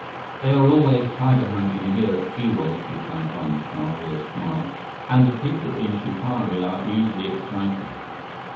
"They are always tiger hunting here at Keewal," replied Barma Shah with a smile, "and the people in Supari are easily excited.